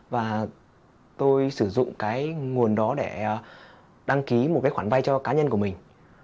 và tôi sử dụng cái nguồn đó để đăng ký một cái khoản vay cho cá nhân của mình